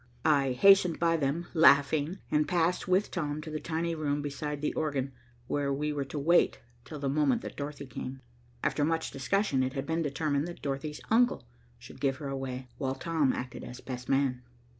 I hastened by them, laughing, and passed with Tom to the tiny room beside the organ, where we were to wait till the moment that Dorothy came. After much discussion, it had been determined that Dorothy's uncle should give her away, while Tom acted as best man.